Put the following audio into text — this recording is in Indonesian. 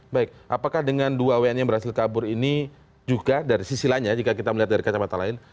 baik apakah dengan dua wni yang berhasil kabur ini juga dari sisi lainnya jika kita melihat dari kacamata lain